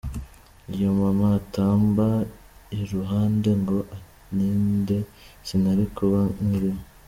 Iyo mama atamba iruhande ngo andinde sinari kuba nkiriho.